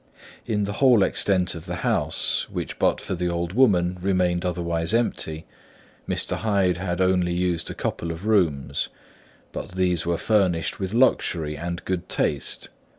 In the whole extent of the house, which but for the old woman remained otherwise empty, Mr. Hyde had only used a couple of rooms; but these were furnished with luxury and good taste.